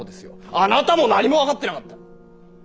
あなたも何も分かってなかった。